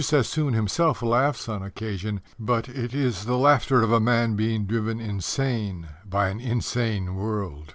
Sassoon himself laughs on occasion, but it is the laughter of a man being driven insane by an insane world.